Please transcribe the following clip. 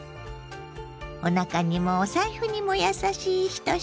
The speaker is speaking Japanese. おなかにもお財布にも優しい１品。